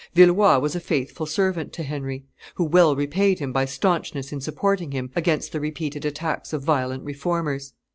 Villeroi was a faithful servant to Henry, who well repaid him by stanchness in supporting him against the repeated attacks of violent Reformers.